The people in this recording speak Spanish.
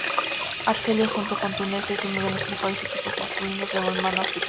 Argelia, junto con Túnez, es uno de los mejores equipos masculinos de balonmano africanos.